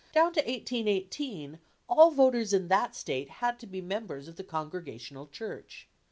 Down to 1818 all voters in that State had to be members of the Congregational Church.